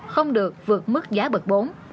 không được vượt mức giá bật bốn